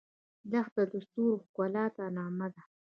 دښته د ستورو ښکلا ته نغمه ده.